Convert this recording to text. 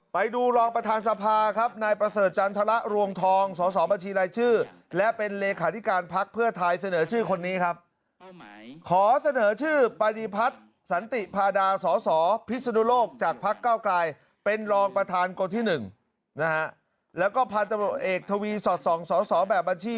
ประธานสภาษณ์จบไปนะครับ